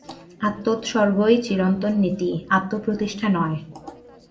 আত্মোৎসর্গই চিরন্তন নীতি, আত্মপ্রতিষ্ঠা নয়।